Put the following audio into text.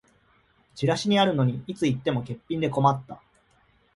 チラシにあるのにいつ行っても欠品で困った